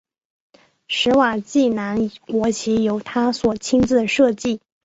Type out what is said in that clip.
史瓦济兰国旗由他所亲自设计。